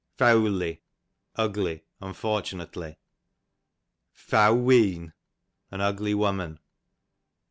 Feawly, ugly, unfortunately. Feaw whean, an ugly woman.